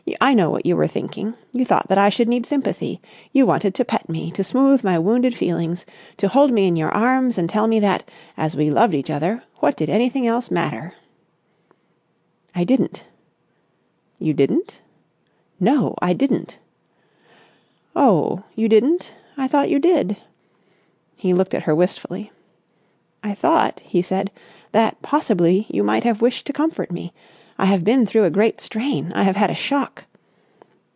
I know what you were thinking. You thought that I should need sympathy. You wanted to pet me, to smooth my wounded feelings, to hold me in your arms and tell me that, as we loved each other, what did anything else matter?" "I didn't." "You didn't?" "No, I didn't." "Oh, you didn't? I thought you did!" He looked at her wistfully. "I thought," he said, "that possibly you might have wished to comfort me. I have been through a great strain. I have had a shock...."